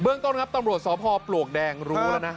เบื้องต้นครับตำรวจสพปลวกแดงรู้นะ